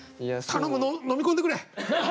頼む飲み込んでくれ！